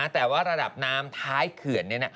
แต่ว่าระดับน้ำท้ายเขื่อน